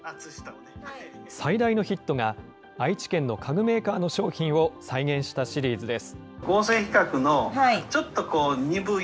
最大のヒットが、愛知県の家具メーカーの商品を再現したシリーズです。